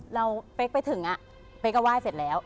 เป๊กไปถึงเป๊กก็ไหว้เสร็จแล้ว